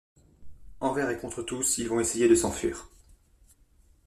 Envers et contre tous, ils vont essayer de s'en enfuir.